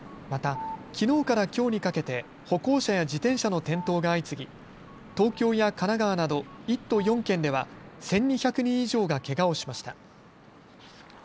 また、きのうからきょうにかけて歩行者や自転車の転倒が相次ぎ東京や神奈川など１都４県では１２００人以上がけがをしました。